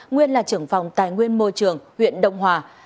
nguyên là trưởng phòng tài nguyên môi trường huyện đông hòa